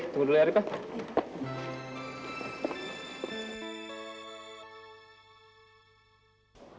tunggu dulu ya ariefah